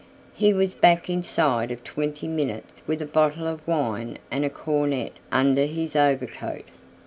He was back inside of twenty minutes with a bottle of wine and a cornet under his overcoat.